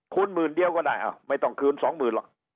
คูณหมื่นเดียวก็ได้ไม่ต้องคืน๒๐๐๐๐หรอก